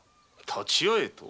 「立ち合え」と？